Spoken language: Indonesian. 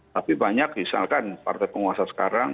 tapi banyak misalkan partai penguasa sekarang